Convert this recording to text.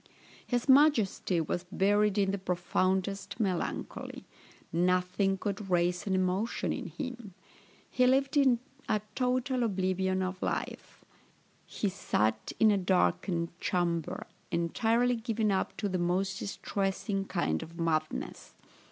His majesty was buried in the profoundest melancholy; nothing could raise an emotion in him; he lived in a total oblivion of life; he sate in a darkened chamber, entirely given up to the most distressing kind of madness.